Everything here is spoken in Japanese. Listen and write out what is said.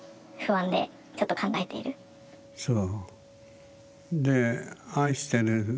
そう。